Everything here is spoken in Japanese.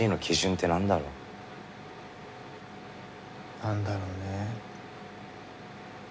何だろうね。